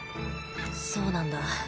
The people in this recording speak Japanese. そうなんだ。